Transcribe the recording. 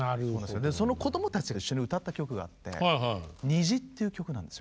そのこどもたちが一緒に歌った曲があって「にじ」っていう曲なんですよ。